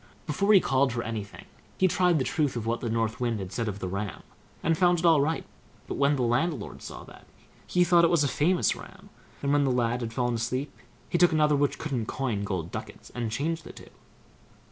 Before he called for anything, he tried the truth of what the North Wind had said of the ram, and found it all right; but, when the landlord saw that, he thought it was a famous ram, and, when the lad had fallen asleep, he took another which couldn't coin gold ducats, and changed the two.